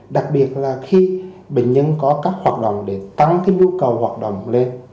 đặc biệt là khi bệnh nhân có các hoạt động để tăng cái nhu cầu hoạt động lên